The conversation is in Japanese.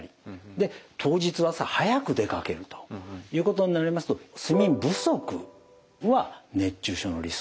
で当日朝早く出かけるということになりますと睡眠不足は熱中症のリスクになりやすいんですね。